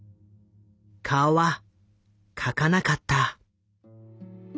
顔は描かなかった。